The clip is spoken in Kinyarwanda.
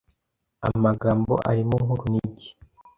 amagambo arimo nk’urunigi